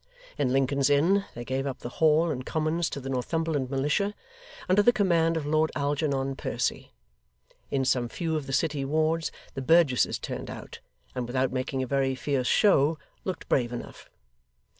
In Lincoln's Inn, they gave up the hall and commons to the Northumberland Militia, under the command of Lord Algernon Percy; in some few of the city wards, the burgesses turned out, and without making a very fierce show, looked brave enough.